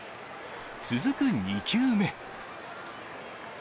続く２球目。